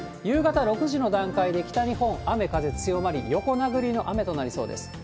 夕方６時の段階で北日本、雨、風強まり、横殴りの雨となりそうです。